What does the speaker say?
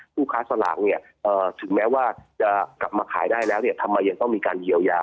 ผู้ค้าสลากเนี่ยถึงแม้ว่าจะกลับมาขายได้แล้วเนี่ยทำไมยังต้องมีการเยียวยา